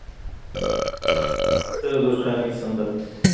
د درخانۍ سندره